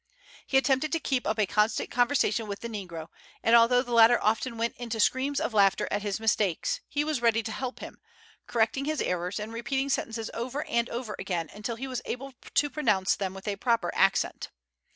He attempted to keep up a constant conversation with the negro, and although the latter often went into screams of laughter at his mistakes he was ready to help him, correcting his errors and repeating sentences over and over again until he was able to pronounce them with a proper accent.